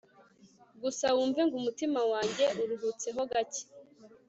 gusa wumve ngo umutima wanjye uruhutse ho gake